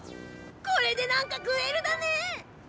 これで何か食えるだね！